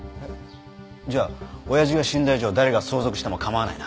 じゃあ親父が死んだ以上誰が相続しても構わないな？